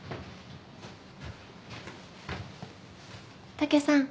武さん